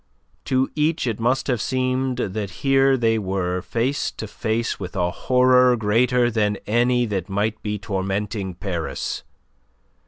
To each it must have seemed that here they were face to face with a horror greater than any that might be tormenting Paris.